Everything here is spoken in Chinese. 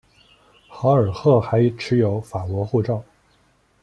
豪尔赫还持有法国护照。